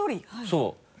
そう。